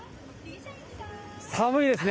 寒いですね。